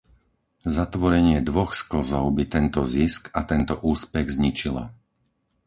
Zatvorenie dvoch sklzov by tento zisk a tento úspech zničilo.